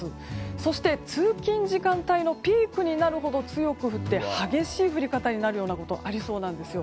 そして通勤時間帯のピークになるほど強く降って激しい降り方になることもありそうです。